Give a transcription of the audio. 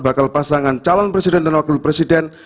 bakal pasangan calon presiden dan wakil presiden